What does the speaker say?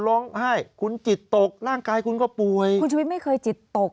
ร้องไห้คุณจิตตกร่างกายคุณก็ป่วยคุณชุวิตไม่เคยจิตตก